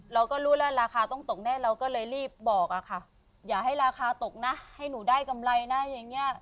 เราก็รู้แล้วราคาต้องตกแน่เราก็เลยรีบบอกอะค่ะอย่าให้ราคาตกนะให้หนูได้กำไรนะอย่างเงี้ย